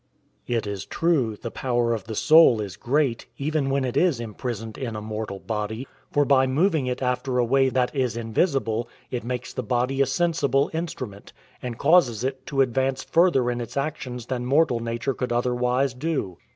It is true, the power of the soul is great, even when it is imprisoned in a mortal body; for by moving it after a way that is invisible, it makes the body a sensible instrument, and causes it to advance further in its actions than mortal nature could otherwise do.